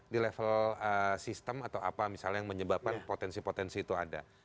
di level sistem atau apa misalnya yang menyebabkan potensi potensi itu ada